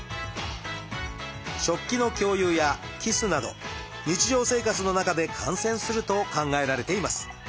食器の共有やキスなど日常生活の中で感染すると考えられています。